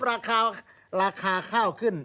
ราคาข้าวขึ้น